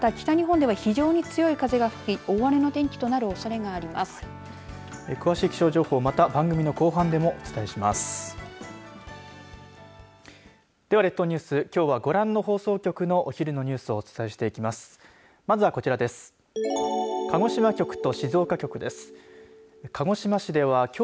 では列島ニュース、きょうはご覧の放送局のお昼のニュースをお伝えしていきます。